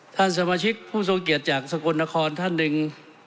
ท่านสมาชิกผู้ทรงเกียรติจากสกลนครท่านหนึ่ง